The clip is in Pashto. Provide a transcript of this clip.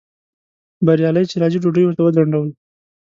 بریالی چې راځي ډوډۍ ورته وځنډوئ